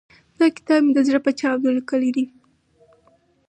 دا کتاب مې د زړه په چاود ليکلی دی.